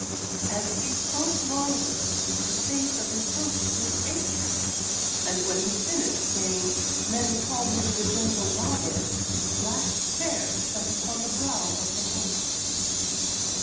As he spoke longer, the face of his host grew anxious, and when he finished, saying, "Men call him the Gentle Robber," black care sat upon the brow of the host.